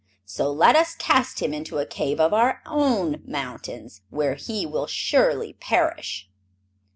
So let us cast him into a cave of our own mountains, where he will surely perish."